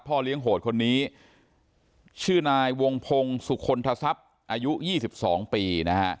พ่อเลี้ยงโหดคนนี้ชื่อนายวงพงศุคลทศัพท์อายุ๒๒ปี